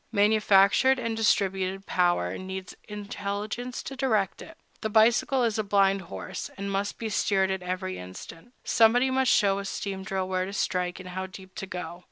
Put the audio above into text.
Manufactured and distributed power needs intelligence to direct it: the bicycle is a blind horse, and must be steered at every instant; somebody must show a steam drill where to strike and how deep to go.